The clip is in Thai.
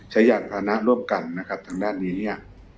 ใช้อย่างภานะร่วมกันทางด้านนี้